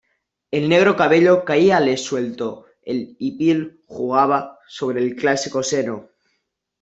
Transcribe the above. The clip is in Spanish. el negro cabello caíale suelto, el hipil jugaba sobre el clásico seno.